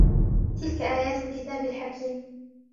تِلْكَ آيَاتُ الْكِتَابِ الْحَكِيمِ